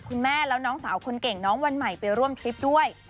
คุณแม่แล้วน้องสาวคนเก่งน้องวันใหม่ไปร่วมทริปด้วย